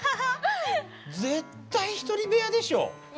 絶対１人部屋でしょ。